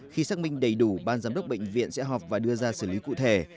khi xác minh đầy đủ ban giám đốc bệnh viện sẽ họp và đưa ra xử lý cụ thể